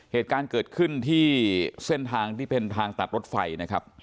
เหตุการณ์เกิดขึ้นที่เส้นทางที่เป็นทางตัดรถไฟนะครับ